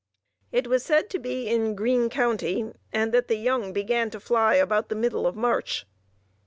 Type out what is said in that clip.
It was said to be in Green County, and that the young began to fly about the middle of March.